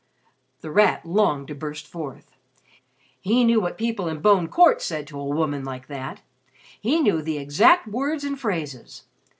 The Rat longed to burst forth. He knew what people in Bone Court said to a woman like that; he knew the exact words and phrases.